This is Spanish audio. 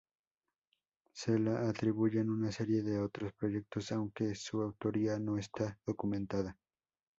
Se le atribuyen una serie de otros proyectos, aunque su autoría no está documentada.